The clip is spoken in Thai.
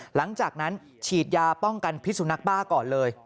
หลังจากนั้นฉีดยาป้องกันพิสุนักบ้าก่อนเลย